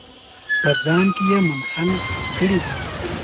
په ځان کې یې منحل کړي دي.